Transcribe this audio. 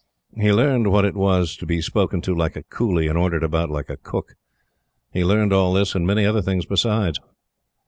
He learned what it was to be spoken to like a coolie and ordered about like a cook. He learned all this and many other things besides.